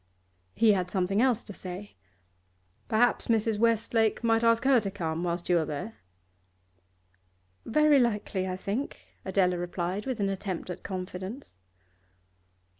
He had something else to say. 'Perhaps Mrs. Westlake might ask her to come, whilst you are there.' 'Very likely, I think,' Adela replied, with an attempt at confidence.